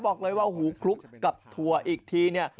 บอกเลยว่าหูคลุกกับถั่วอีกทีเนี่ย